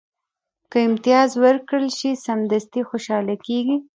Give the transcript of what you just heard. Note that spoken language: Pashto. که امتیاز ورکړل شي، سمدستي خوشاله کېږي.